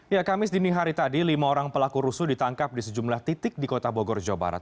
ya kamis dini hari tadi lima orang pelaku rusuh ditangkap di sejumlah titik di kota bogor jawa barat